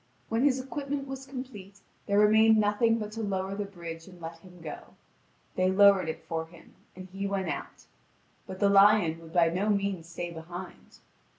When his equipment was complete, there remained nothing but to lower the bridge and let him go. They lowered it for him, and he went out. But the lion would by no means stay behind.